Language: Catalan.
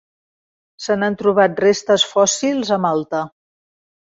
Se n'han trobat restes fòssils a Malta.